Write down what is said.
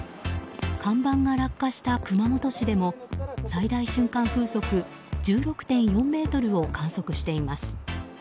看板が落下した熊本市でも最大瞬間風速１６．４メートルを観測しています。